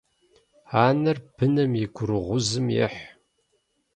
Анэр быным и гурыгъузым ехь.